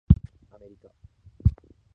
アメリカ